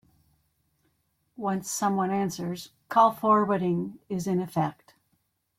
Once someone answers, call forwarding is in effect.